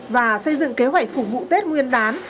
và xây dựng kế hoạch phục vụ tết nguyên đán